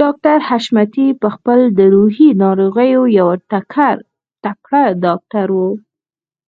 ډاکټر حشمتي په خپله د روحي ناروغيو يو تکړه ډاکټر و.